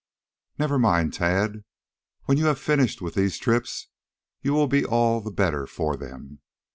"Never mind, Tad. When you have finished with these trips you will be all the better for them.